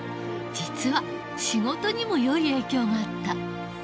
実は仕事にも良い影響があった。